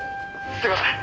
「すいません」